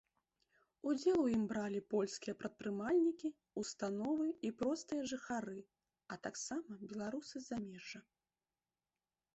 Удзел у ім бралі польскія прадпрымальнікі, установы і простыя жыхары, а таксама беларусы замежжа.